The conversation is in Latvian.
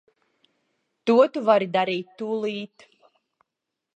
To tu vari darīt tūlīt.